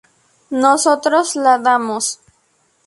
Nosotros la damos".